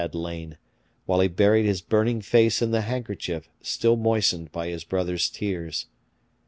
had lain, while he buried his burning face in the handkerchief still moistened by his brother's tears.